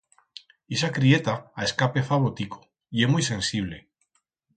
Ixa crieta a escape fa botico, ye muit sensible.